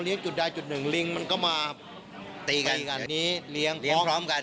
ลิงมันก็มาตีกันนี้เลี้ยงพร้อมกัน